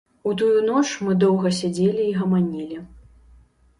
У тую ноч мы доўга сядзелі і гаманілі.